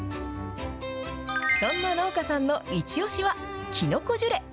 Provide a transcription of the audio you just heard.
そんな農家さんのイチオシは、きのこジュレ。